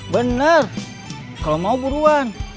bener kalau mau buruan